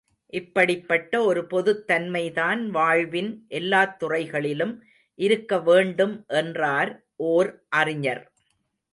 இப்படிப்பட்ட ஒரு பொதுத் தன்மைதான் வாழ்வின் எல்லாத் துறைகளிலும் இருக்க வேண்டும் என்றார் ஓர் அறிஞர்.